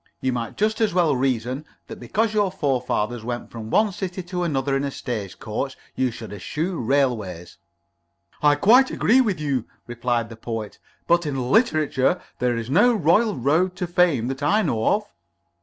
You might just as well reason that because your forefathers went from one city to another in a stage coach you should eschew railways." "I quite agree with you," replied the Poet. "But in literature there is no royal road to fame that I know of."